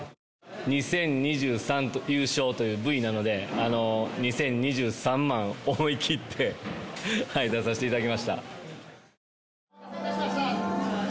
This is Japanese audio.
２０２３年優勝というＶなので、２０２３万、思い切って出させていただきました。